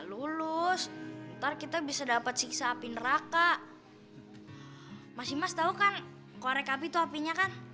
lulus ntar kita bisa dapat siksa api neraka masih mas tau kan korek api itu apinya kan